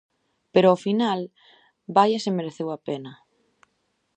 Pero ao final, vaia se mereceu a pena.